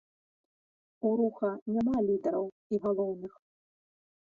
У руха няма лідараў і галоўных.